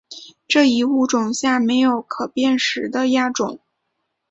这一物种下没有可辨识的亚种。